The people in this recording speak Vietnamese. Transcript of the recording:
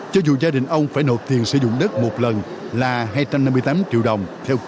cho dù gia đình ông phải nộp tiền sử dụng đất một lần